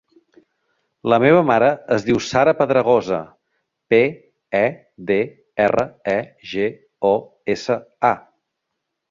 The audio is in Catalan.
La meva mare es diu Sara Pedregosa: pe, e, de, erra, e, ge, o, essa, a.